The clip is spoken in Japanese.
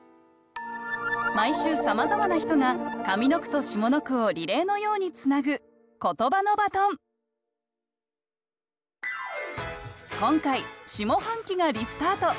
毎週さまざまな人が上の句と下の句をリレーのようにつなぐ今回下半期がリスタート！